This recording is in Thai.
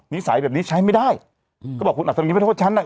นิสัยแบบนี้ใช้ไม่ได้ก็บอกคุณอัดทำอย่างงี้ไม่ได้โทษฉันน่ะ